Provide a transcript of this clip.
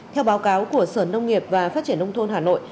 theo báo cáo của sở nông nghiệp và phát triển nông thôn hà nội